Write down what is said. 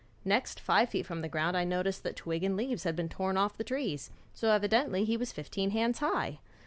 Next, five feet from the ground I noticed that twig and leaves had been torn off the trees, so evidently he was fifteen hands high.